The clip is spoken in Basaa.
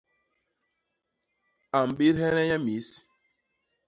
A mbédhene nye mis.